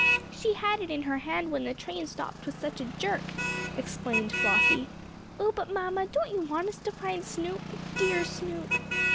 "She had it in her hand when the train, stopped with such a jerk," explained Flossie. "Oh, but mamma, don't you want us to find Snoop dear Snoop?"